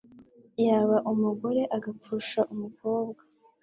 yaba umugore agapfusha umukobwa